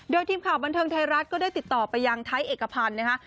โดยทีมข่าวบันเทิงไทยรัฐก็ได้ติดต่อไปยังไทยเอกพันธ์นะคะ